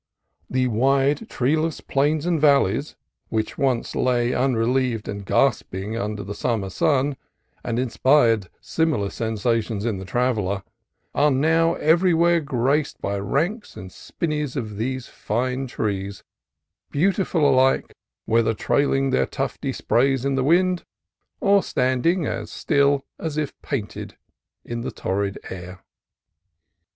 The wide, treeless plains and valleys which once lay unrelieved and gasping under the summer sun, and inspired simi lar sensations in the traveller, are now everywhere graced by ranks and spinneys of these fine trees, beautiful alike, whether trailing their tufty sprays in the wind, or standing, as still as if painted, in the torrid air.